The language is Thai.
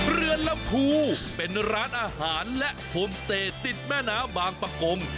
เรือนลำผูเป็นร้านอาหารและโคมเซตติดมาน้ำบางปะโกง